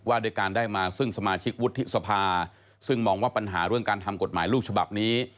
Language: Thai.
ด้วยการได้มาซึ่งสมาชิกวุฒิสภาซึ่งมองว่าปัญหาเรื่องการทำกฎหมายลูกฉบับนี้